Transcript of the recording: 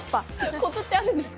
コツってあるんですか？